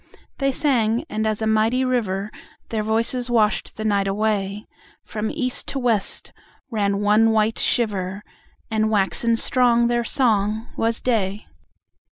They sang, and as a mighty riverTheir voices washed the night away, From East to West ran one white shiver, And waxen strong their song was Day.